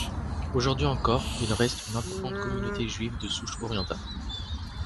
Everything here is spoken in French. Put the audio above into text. Aujourd'hui encore, il reste une importante communauté juive de souche orientale.